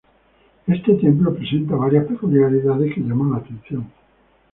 Este templo presenta varia peculiaridades que llaman la atención.